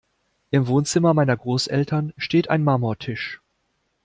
Im Wohnzimmer meiner Großeltern steht ein Marmortisch.